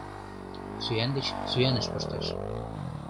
Сӱан гыч сӱаныш кошташ.